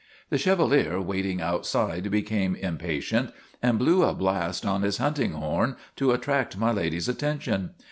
The Chevalier, waiting outside, became impatient, and blew a blast on his hunting horn to attract My Lady's attention.